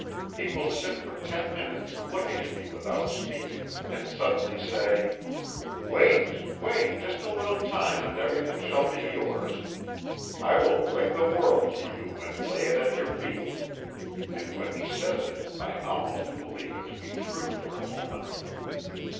He will sit for ten minutes looking at me without speaking, and suddenly say: "Wait, wait! Just a little time and everything shall be yours. I will bring the world to you and lay it at your feet," and when he says it I almost believe it to be true for a moment.